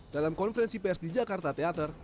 dalam konferensi pers di jakarta teater